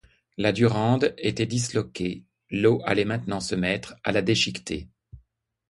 La Durande était disloquée ; l’eau allait maintenant se mettre à la déchiqueter.